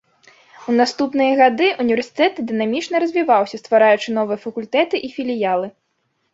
У наступныя гады універсітэт дынамічна развіваўся, ствараючы новыя факультэты і філіялы.